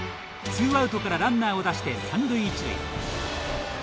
ツーアウトからランナーを出して三塁一塁。